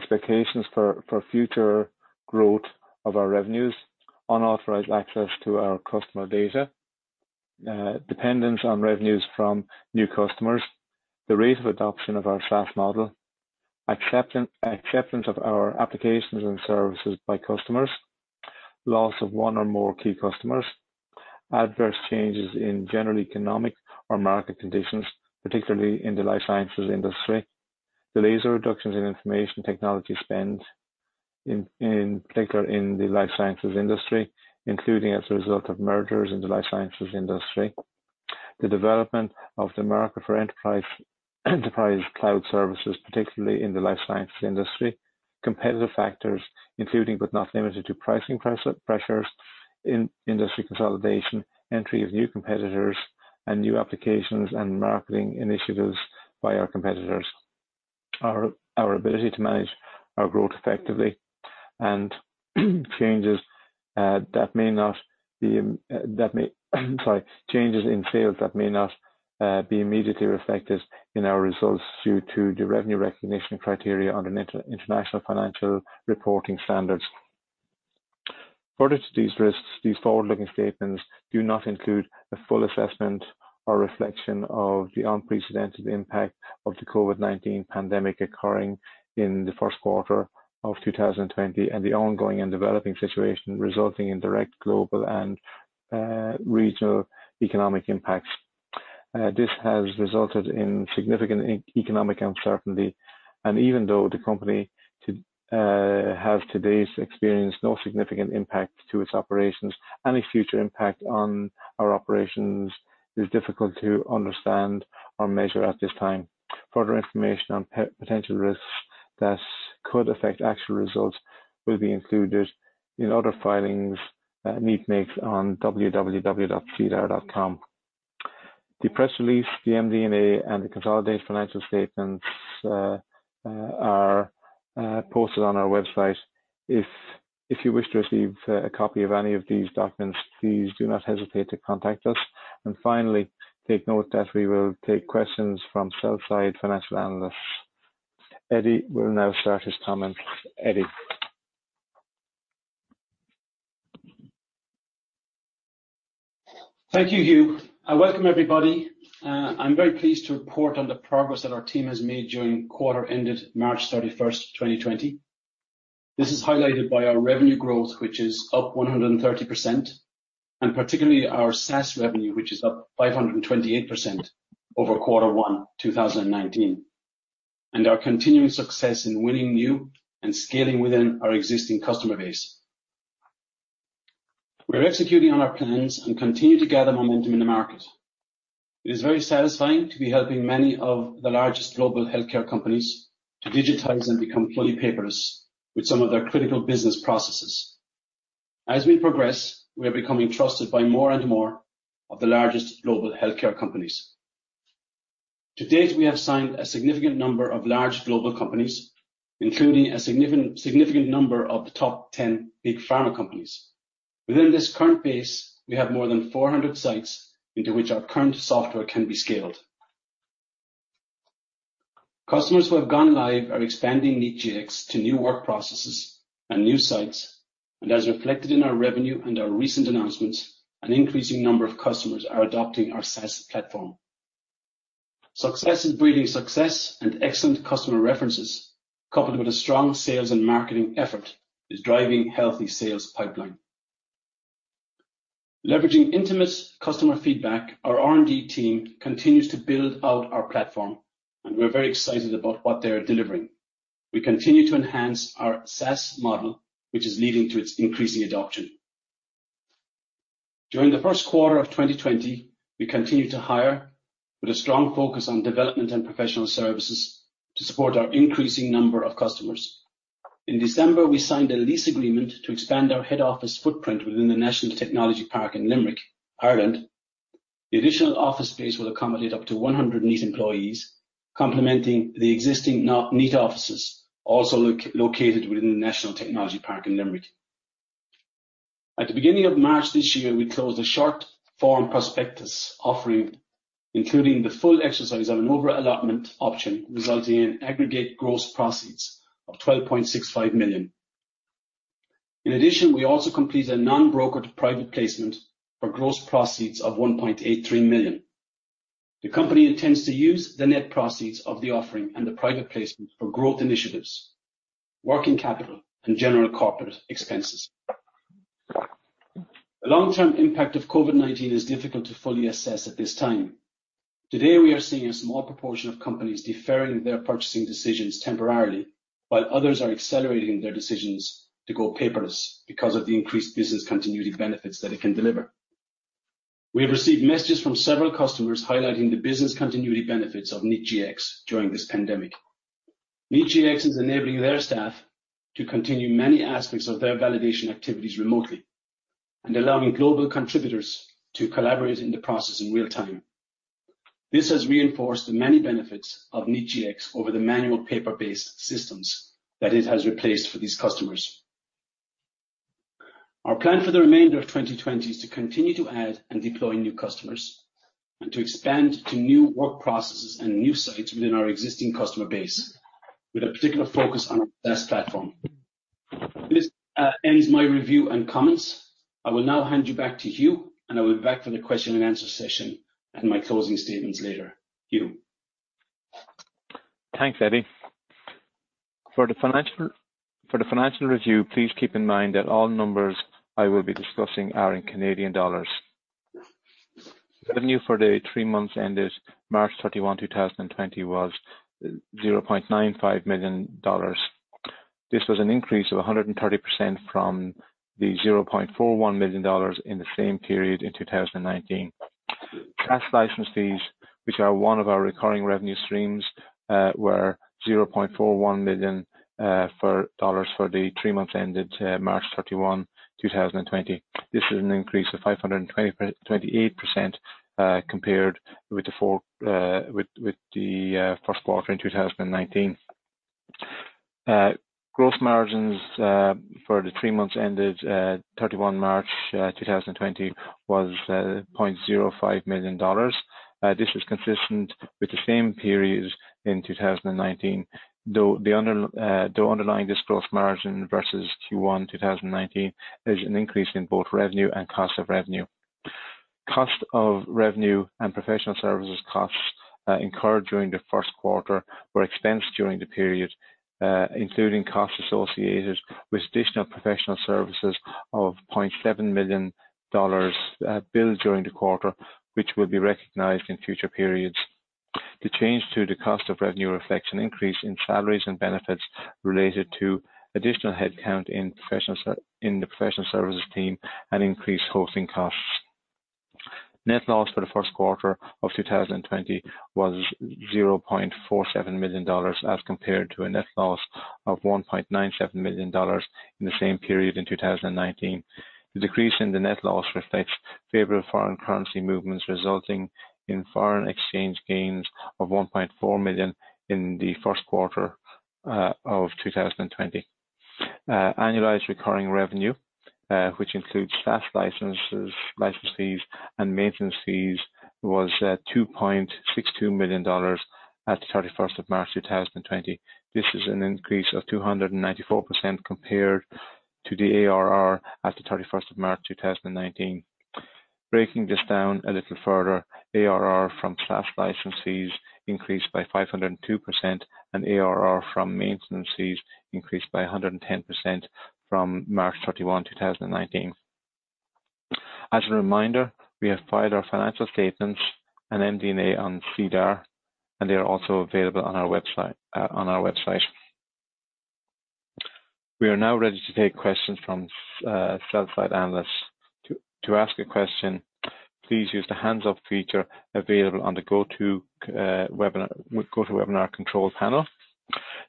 Expectations for future growth of our revenues. Unauthorized access to our customer data. Dependence on revenues from new customers. The rate of adoption of our SaaS model. Acceptance of our applications and services by customers. Loss of one or more key customers. Adverse changes in general economic or market conditions, particularly in the life sciences industry. Delays or reductions in information technology spend, in particular in the life sciences industry, including as a result of mergers in the life sciences industry. The development of the market for enterprise cloud services, particularly in the life sciences industry. Competitive factors, including but not limited to pricing pressures, industry consolidation, entry of new competitors and new applications and marketing initiatives by our competitors. Our ability to manage our growth effectively and changes in sales that may not be immediately reflected in our results due to the revenue recognition criteria under International Financial Reporting Standards. Further to these risks, these forward-looking statements do not include a full assessment or reflection of the unprecedented impact of the COVID-19 pandemic occurring in the first quarter of 2020 and the ongoing and developing situation resulting in direct global and regional economic impacts. This has resulted in significant economic uncertainty, and even though the company has to date experienced no significant impact to its operations, any future impact on our operations is difficult to understand or measure at this time. Further information on potential risks that could affect actual results will be included in other filings Kneat.com makes on www.sedar.com. The press release, the MD&A, and the consolidated financial statements are posted on our website. If you wish to receive a copy of any of these documents, please do not hesitate to contact us. Finally, take note that we will take questions from sell-side financial analysts. Eddie will now start his comments. Eddie. Thank you, Hugh. Welcome, everybody. I'm very pleased to report on the progress that our team has made during the quarter ended March 31, 2020. This is highlighted by our revenue growth, which is up 130%, and particularly our SaaS revenue, which is up 528% over Q1 2019, and our continuing success in winning new and scaling within our existing customer base. We are executing on our plans and continue to gather momentum in the market. It is very satisfying to be helping many of the largest global healthcare companies to digitize and become fully paperless with some of their critical business processes. As we progress, we are becoming trusted by more and more of the largest global healthcare companies. To date, we have signed a significant number of large global companies, including a significant number of the top 10 big pharma companies. Within this current base, we have more than 400 sites into which our current software can be scaled. Customers who have gone live are expanding Kneat Gx to new work processes and new sites, and as reflected in our revenue and our recent announcements, an increasing number of customers are adopting our SaaS platform. Success is breeding success, and excellent customer references, coupled with a strong sales and marketing effort, is driving healthy sales pipeline. Leveraging intimate customer feedback, our R&D team continues to build out our platform, and we're very excited about what they are delivering. We continue to enhance our SaaS model, which is leading to its increasing adoption. During the first quarter of 2020, we continued to hire with a strong focus on development and professional services to support our increasing number of customers. In December, we signed a lease agreement to expand our head office footprint within the National Technology Park in Limerick, Ireland. The additional office space will accommodate up to 100 Kneat.com employees, complementing the existing Kneat.com offices also located within the National Technology Park in Limerick. At the beginning of March this year, we closed a short form prospectus offering, including the full exercise of an over-allotment option, resulting in aggregate gross proceeds of 12.65 million. In addition, we also completed a non-brokered private placement for gross proceeds of 1.83 million. The company intends to use the net proceeds of the offering and the private placement for growth initiatives, working capital, and general corporate expenses. The long-term impact of COVID-19 is difficult to fully assess at this time. Today, we are seeing a small proportion of companies deferring their purchasing decisions temporarily, while others are accelerating their decisions to go paperless because of the increased business continuity benefits that it can deliver. We have received messages from several customers highlighting the business continuity benefits of Kneat Gx during this pandemic. Kneat Gx is enabling their staff to continue many aspects of their validation activities remotely and allowing global contributors to collaborate in the process in real time. This has reinforced the many benefits of Kneat Gx over the manual paper-based systems that it has replaced for these customers. Our plan for the remainder of 2020 is to continue to add and deploy new customers, and to expand to new work processes and new sites within our existing customer base, with a particular focus on our SaaS platform. This ends my review and comments. I will now hand you back to Hugh, and I will be back for the question and answer session and my closing statements later. Hugh. Thanks, Eddie. For the financial review, please keep in mind that all numbers I will be discussing are in Canadian dollars. Revenue for the three months ended March 31, 2020, was 0.95 million dollars. This was an increase of 130% from the 0.41 million dollars in the same period in 2019. SaaS license fees, which are one of our recurring revenue streams, were 0.41 million dollars for the three months ended March 31, 2020. This is an increase of 528% compared with the first quarter in 2019. Gross margins for the three months ended 31 March 2020 was 0.05 million dollars. This was consistent with the same period in 2019, though underlying this gross margin versus Q1 2019, there's an increase in both revenue and cost of revenue. Cost of revenue and professional services costs incurred during the first quarter were expensed during the period, including costs associated with additional professional services of 0.7 million dollars billed during the quarter, which will be recognized in future periods. The change to the cost of revenue reflects an increase in salaries and benefits related to additional headcount in the professional services team and increased hosting costs. Net loss for the first quarter of 2020 was 0.47 million dollars, as compared to a net loss of 1.97 million dollars in the same period in 2019. The decrease in the net loss reflects favorable foreign currency movements, resulting in foreign exchange gains of 1.4 million in the first quarter of 2020. Annualized recurring revenue, which includes SaaS license fees and maintenance fees, was 2.62 million dollars at the 31st of March 2020. This is an increase of 294% compared to the ARR at the 31st of March 2019. Breaking this down a little further, ARR from SaaS license fees increased by 502%, and ARR from maintenance fees increased by 110% from March 31, 2019. As a reminder, we have filed our financial statements and MD&A on SEDAR, and they are also available on our website. We are now ready to take questions from sell-side analysts. To ask a question, please use the hands-up feature available on the GoToWebinar webinar control panel.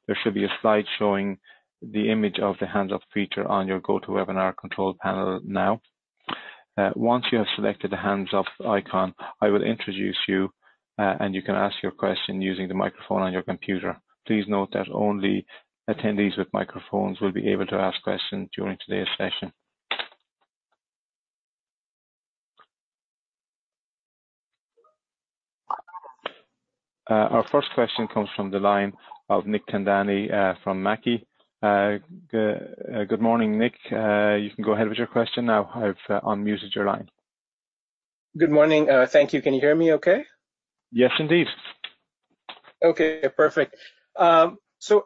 There should be a slide showing the image of the hands-up feature on your GoToWebinar webinar control panel now. Once you have selected the hands-up icon, I will introduce you, and you can ask your question using the microphone on your computer. Please note that only attendees with microphones will be able to ask questions during today's session. Our first question comes from the line of Nick Cundari from Mackie. Good morning, Nick. You can go ahead with your question now. I've unmuted your line. Good morning. Thank you. Can you hear me okay? Yes, indeed. Okay, perfect.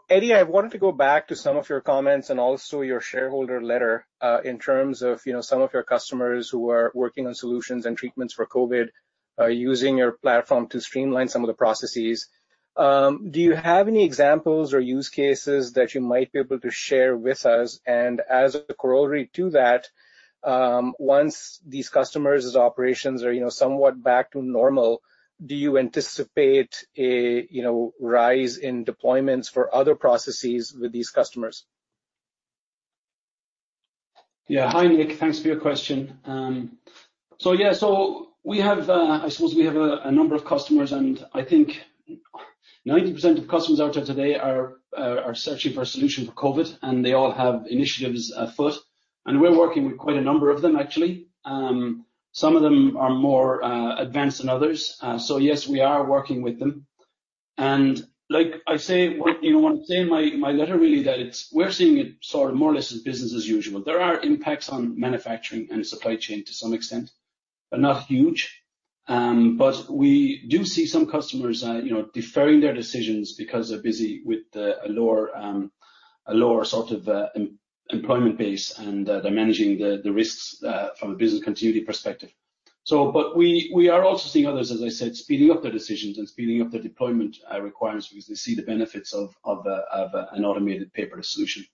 Eddie, I wanted to go back to some of your comments and also your shareholder letter, in terms of some of your customers who are working on solutions and treatments for COVID-19, using your platform to streamline some of the processes. Do you have any examples or use cases that you might be able to share with us? As a corollary to that, once these customers' operations are somewhat back to normal, do you anticipate a rise in deployments for other processes with these customers? Hi, Nick. Thanks for your question. I suppose we have a number of customers, and I think 90% of customers out there today are searching for a solution for COVID, and they all have initiatives afoot. We're working with quite a number of them, actually. Some of them are more advanced than others. Yes, we are working with them. What I say in my letter, really, that we're seeing it sort of more or less as business as usual. There are impacts on manufacturing and supply chain to some extent, but not huge. We do see some customers deferring their decisions because they're busy with a lower sort of employment base, and they're managing the risks from a business continuity perspective. We are also seeing others, as I said, speeding up their decisions and speeding up their deployment requirements because they see the benefits of an automated paper solution.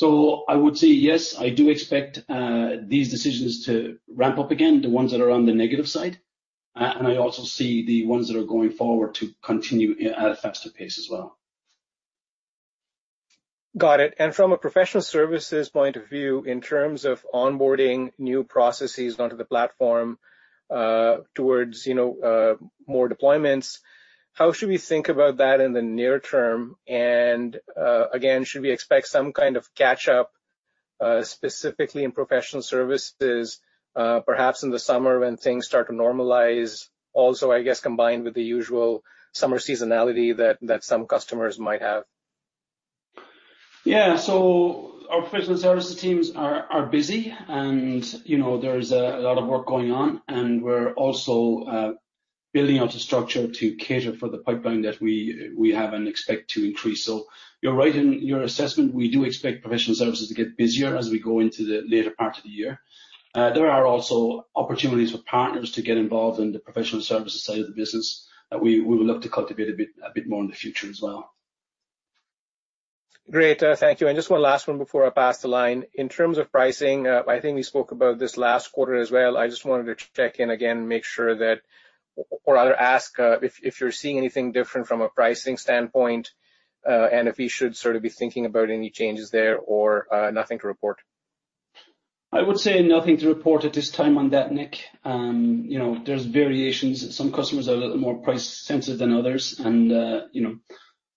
I would say yes, I do expect these decisions to ramp up again, the ones that are on the negative side. I also see the ones that are going forward to continue at a faster pace as well. Got it. From a professional services point of view, in terms of onboarding new processes onto the platform towards more deployments, how should we think about that in the near term? Again, should we expect some kind of catch-up specifically in professional services, perhaps in the summer when things start to normalize, also, I guess, combined with the usual summer seasonality that some customers might have. Yeah. Our professional services teams are busy and there is a lot of work going on, and we're also building out a structure to cater for the pipeline that we have and expect to increase. You're right in your assessment. We do expect professional services to get busier as we go into the later part of the year. There are also opportunities for partners to get involved in the professional services side of the business that we will look to cultivate a bit more in the future as well. Great. Thank you. Just one last one before I pass the line. In terms of pricing, I think we spoke about this last quarter as well, I just wanted to check in again, make sure that, or rather ask, if you're seeing anything different from a pricing standpoint, and if we should sort of be thinking about any changes there or nothing to report. I would say nothing to report at this time on that, Nick. There's variations. Some customers are a little more price-sensitive than others, and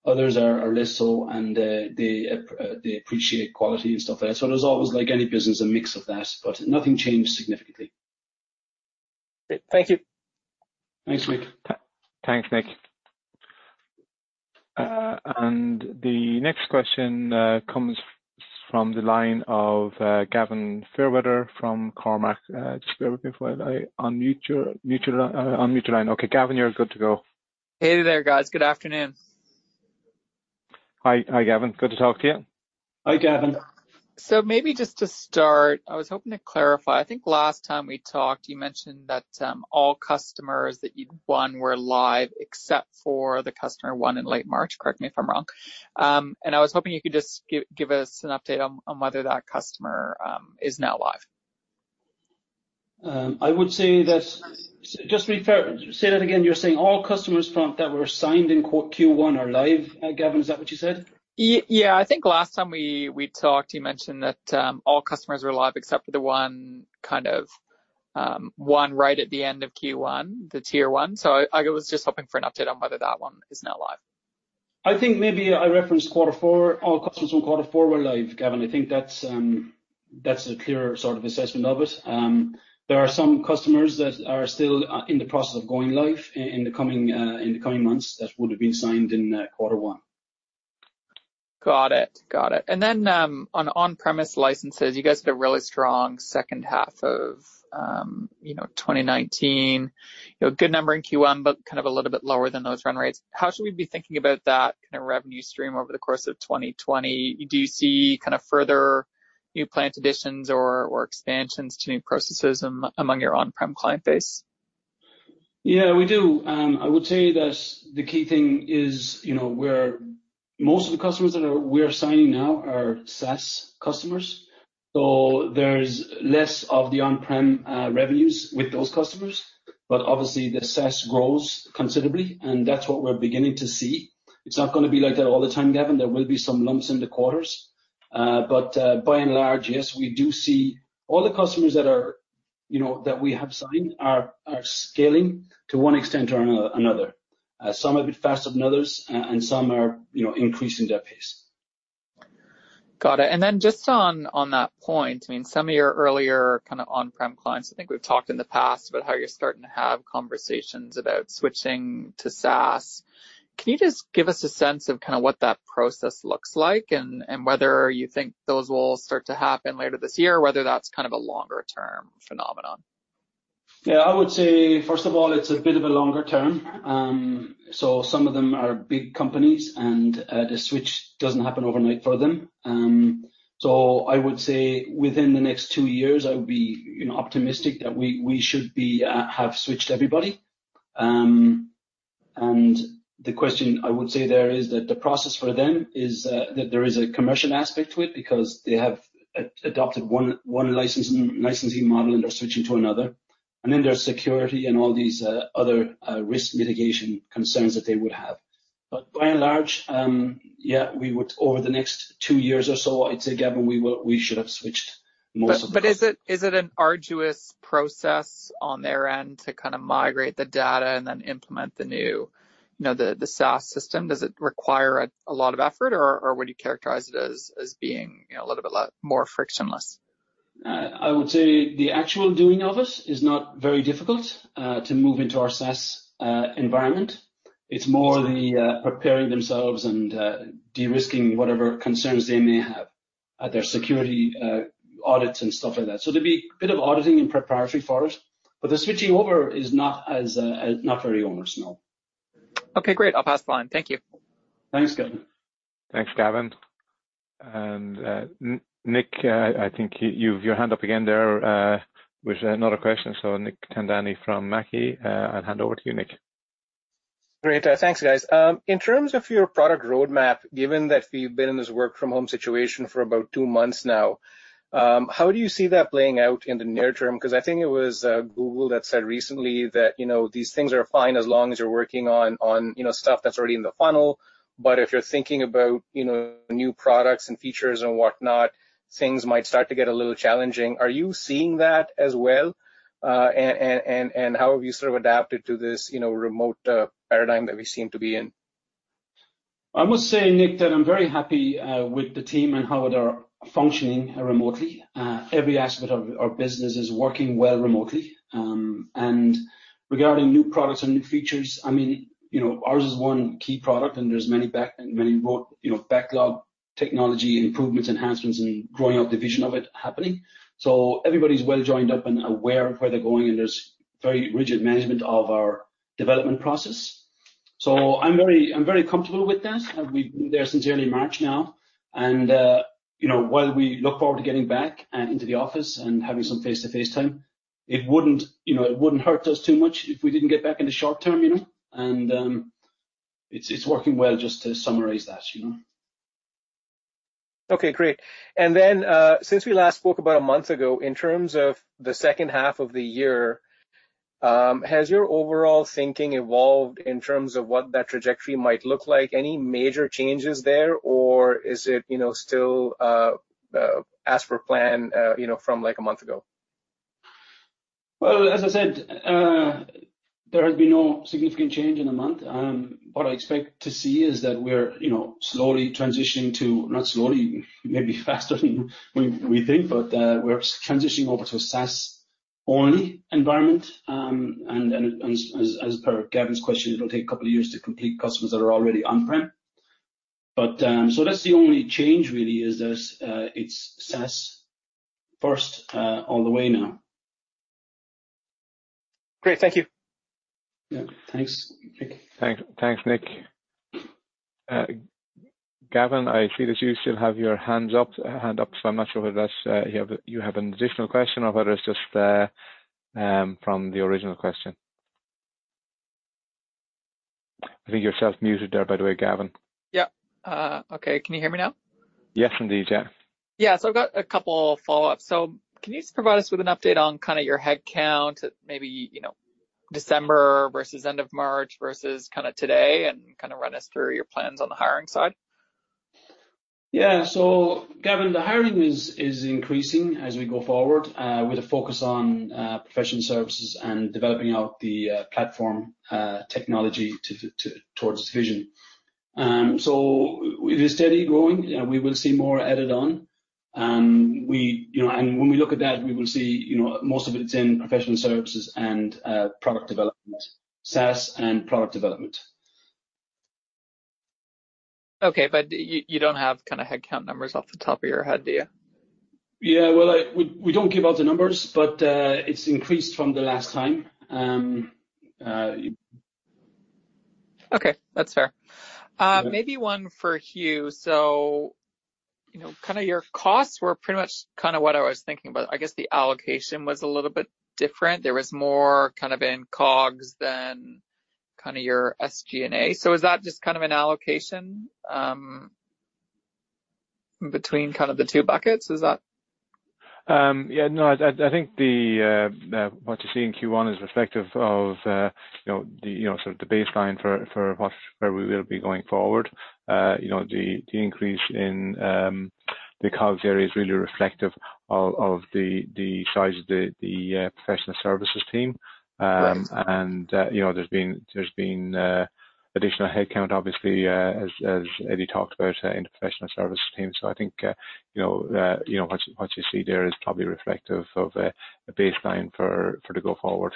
others are less so, and they appreciate quality and stuff like that. There's always, like any business, a mix of that, but nothing changed significantly. Thank you. Thanks, Nick. Thanks, Nick. The next question comes from the line of Gavin Fairweather from Cormark. Just bear with me for while I unmute your line. Okay, Gavin, you're good to go. Hey there, guys. Good afternoon. Hi, Gavin. Good to talk to you. Hi, Gavin. Maybe just to start, I was hoping to clarify, I think last time we talked, you mentioned that all customers that you'd won were live except for the customer won in late March, correct me if I am wrong. I was hoping you could just give us an update on whether that customer is now live? Just say that again, you're saying all customers that were signed in Q1 are live, Gavin, is that what you said? Yeah. I think last time we talked, you mentioned that all customers were live except for the one right at the end of Q1, the Tier 1. I was just hoping for an update on whether that one is now live. I think maybe I referenced quarter four, all customers from quarter four were live, Gavin. I think that's a clearer sort of assessment of it. There are some customers that are still in the process of going live in the coming months that would've been signed in quarter one. Got it. On on-premise licenses, you guys had a really strong second half of 2019. Good number in Q1, kind of a little bit lower than those run rates. How should we be thinking about that kind of revenue stream over the course of 2020? Do you see kind of further new plant additions or expansions to new processes among your on-prem client base? Yeah, we do. I would say that the key thing is where most of the customers that we are signing now are SaaS customers. There's less of the on-prem revenues with those customers, but obviously the SaaS grows considerably, and that's what we're beginning to see. It's not going to be like that all the time, Gavin. There will be some lumps in the quarters. By and large, yes, we do see all the customers that we have signed are scaling to one extent or another. Some a bit faster than others, and some are increasing their pace. Got it. Just on that point, I mean, some of your earlier kind of on-prem clients, I think we've talked in the past about how you're starting to have conversations about switching to SaaS. Can you just give us a sense of kind of what that process looks like and whether you think those will start to happen later this year, or whether that's kind of a longer-term phenomenon? I would say, first of all, it's a bit of a longer term. Some of them are big companies and the switch doesn't happen overnight for them. I would say within the next two years, I would be optimistic that we should have switched everybody. The question I would say there is that the process for them is that there is a commercial aspect to it because they have adopted one licensing model, and they're switching to another. There's security and all these other risk mitigation concerns that they would have. By and large, over the next two years or so, I'd say, Gavin, we should have switched most of them. Is it an arduous process on their end to kind of migrate the data and then implement the new SaaS system? Does it require a lot of effort, or would you characterize it as being a little bit more frictionless? I would say the actual doing of it is not very difficult to move into our SaaS environment. It's more the preparing themselves and de-risking whatever concerns they may have at their security audits and stuff like that. There'd be a bit of auditing and preparatory for it, the switching over is not very onerous, no. Okay, great. I'll pass the line. Thank you. Thanks, Gavin. Thanks, Gavin. Nick, I think you've your hand up again there with another question. Nick Cundari from Mackie. I'll hand over to you, Nick. Great. Thanks, guys. In terms of your product roadmap, given that we've been in this work-from-home situation for about two months now, how do you see that playing out in the near term? I think it was Google that said recently that these things are fine as long as you're working on stuff that's already in the funnel. If you're thinking about new products and features and whatnot, things might start to get a little challenging. Are you seeing that as well? How have you sort of adapted to this remote paradigm that we seem to be in? I must say, Nick, that I'm very happy with the team and how it are functioning remotely. Every aspect of our business is working well remotely. Regarding new products and new features, ours is one key product and there's many backlog technology improvements, enhancements, and growing out the vision of it happening. Everybody's well joined up and aware of where they're going, and there's very rigid management of our development process. I'm very comfortable with that. We've been there since early March now. While we look forward to getting back into the office and having some face-to-face time, it wouldn't hurt us too much if we didn't get back in the short term. It's working well, just to summarize that. Okay, great. Since we last spoke about a month ago, in terms of the second half of the year, has your overall thinking evolved in terms of what that trajectory might look like? Any major changes there, or is it still as per plan from a month ago? As I said, there has been no significant change in a month. What I expect to see is that we're slowly transitioning to, not slowly, maybe faster than we think, but we're transitioning over to a SaaS-only environment. As per Gavin's question, it'll take a couple of years to complete customers that are already on-prem. That's the only change really, is it's SaaS first all the way now. Great. Thank you. Yeah. Thanks, Nick. Thanks, Nick. Gavin, I see that you still have your hand up, so I'm not sure whether you have an additional question or whether it's just from the original question. I think you're self-muted there, by the way, Gavin. Yeah. Okay. Can you hear me now? Yes, indeed. Yeah. Yeah. I've got a couple follow-ups. Can you just provide us with an update on your head count, maybe December versus end of March versus today, and run us through your plans on the hiring side? Yeah. Gavin, the hiring is increasing as we go forward with a focus on professional services and developing out the platform technology towards the vision. It is steady growing. We will see more added on. When we look at that, we will see most of it's in professional services and product development, SaaS and product development. Okay. You don't have head count numbers off the top of your head, do you? Yeah. Well, we don't give out the numbers, but it's increased from the last time. Okay. That's fair. Maybe one for Hugh. Your costs were pretty much what I was thinking, but I guess the allocation was a little bit different. There was more in COGS than your SG&A. Is that just an allocation between the two buckets? Yeah, no, I think what you see in Q1 is reflective of the baseline for where we will be going forward. The increase in the COGS area is really reflective of the size of the professional services team. Right. There's been additional headcount, obviously, as Eddie talked about in the professional services team. I think what you see there is probably reflective of a baseline for the go forward.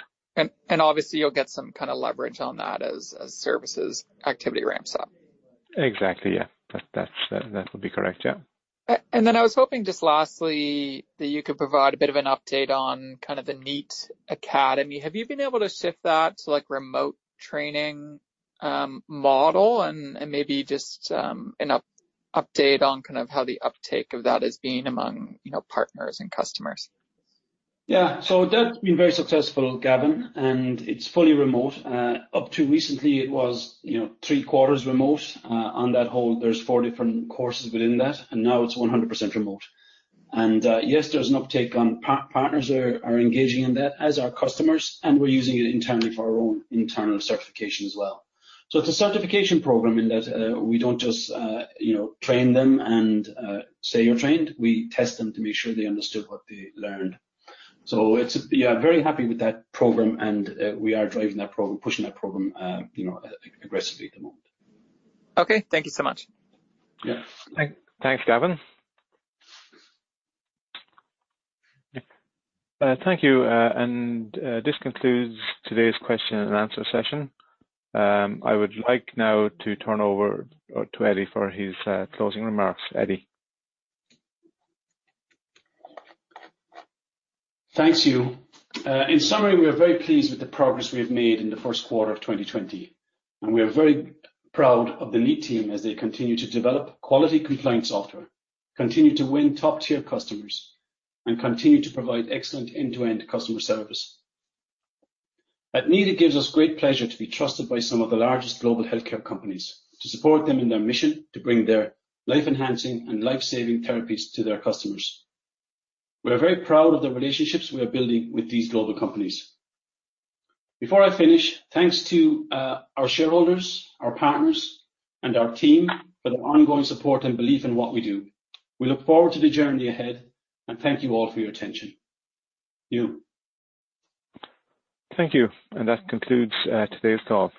Obviously, you'll get some kind of leverage on that as services activity ramps up. Exactly, yeah. That would be correct, yeah. I was hoping just lastly, that you could provide a bit of an update on the Kneat Academy. Have you been able to shift that to remote training model and maybe just an update on how the uptake of that is being among partners and customers? Yeah. That's been very successful, Gavin, and it's fully remote. Up to recently it was three-quarters remote. On that whole, there's four different courses within that, and now it's 100% remote. Yes, there's an uptake on partners are engaging in that as our customers, and we're using it internally for our own internal certification as well. It's a certification program in that we don't just train them and say, "You're trained." We test them to make sure they understood what they learned. Yeah, very happy with that program, and we are pushing that program aggressively at the moment. Okay. Thank you so much. Yeah. Thanks, Gavin. Thank you. This concludes today's question and answer session. I would like now to turn over to Eddie for his closing remarks. Eddie. Thanks, Hugh. In summary, we are very pleased with the progress we have made in the first quarter of 2020, and we are very proud of the Kneat team as they continue to develop quality compliance software, continue to win top-tier customers, and continue to provide excellent end-to-end customer service. At Kneat, it gives us great pleasure to be trusted by some of the largest global healthcare companies to support them in their mission to bring their life-enhancing and life-saving therapies to their customers. We are very proud of the relationships we are building with these global companies. Before I finish, thanks to our shareholders, our partners, and our team for their ongoing support and belief in what we do. We look forward to the journey ahead and thank you all for your attention. Hugh. Thank you. That concludes today's call.